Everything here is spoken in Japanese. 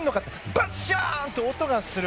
バッシャーンと音がする。